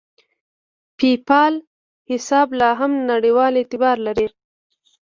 د پیپال حساب لاهم نړیوال اعتبار لري.